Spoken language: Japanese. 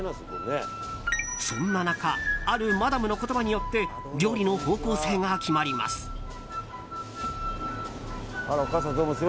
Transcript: そんな中あるマダムの言葉によって料理の方向性が決まります。